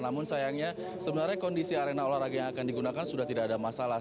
namun sayangnya sebenarnya kondisi arena olahraga yang akan digunakan sudah tidak ada masalah